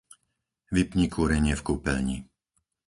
Vypni kúrenie v kúpeľni.